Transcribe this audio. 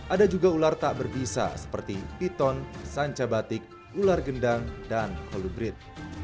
ada juga ular tak berbisa seperti piton sanca batik ular gendang dan holubrid